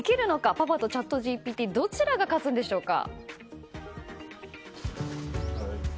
パパとチャットＧＰＴどちらが勝つんでしょうか。